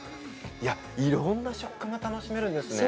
いや、いろんな食感が楽しめるんですね。